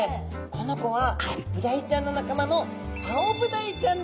この子はブダイちゃんの仲間のアオブダイちゃん？